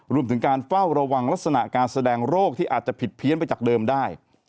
รวมถึงการเฝ้าระวังลักษณะการแสดงโรคที่อาจจะผิดเพี้ยนไปจากเดิมได้